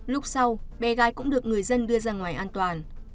lúc sau bé gái cũng được người dân đưa ra ngoài an toàn